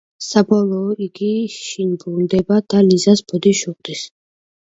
საბოლოო იგი შინ ბრუნდება და ლიზას ბოდიშს უხდის.